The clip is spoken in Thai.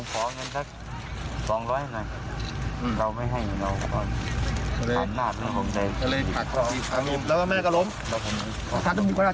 กระทืบที่ที่คอได้กี่ครั้ง๕ครั้ง